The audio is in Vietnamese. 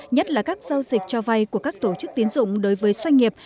nhất là các giao dịch cho vay của các tổ chức tiến dụng đối với doanh nghiệp